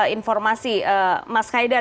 informasi mas haidar